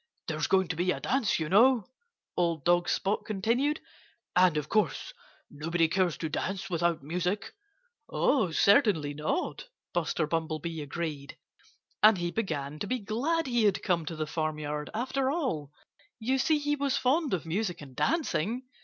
There's going to be a dance, you know," old dog Spot continued. "And of course nobody cares to dance without music." "Oh, certainly not!" Buster Bumblebee agreed. And he began to be glad he had come to the farmyard, after all. You see, he was fond of music and dancing.